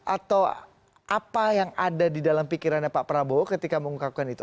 atau apa yang ada di dalam pikirannya pak prabowo ketika mengungkapkan itu